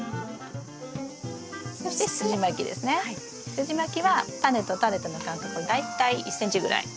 すじまきはタネとタネとの間隔は大体１ｃｍぐらい。